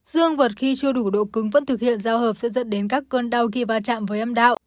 dương vật khi chưa đủ độ cứng vẫn thực hiện giao hợp sẽ dẫn đến các cơn đau khi va chạm với âm đạo